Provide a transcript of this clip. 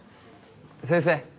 先生